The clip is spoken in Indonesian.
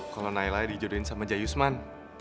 kalo nailah dijodohin sama jayusman